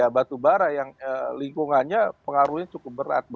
batu bara yang lingkungannya pengaruhnya cukup berat